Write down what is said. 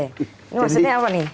ini maksudnya apa nih